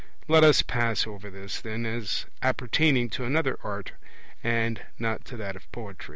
Let us pass over this, then, as appertaining to another art, and not to that of poetry.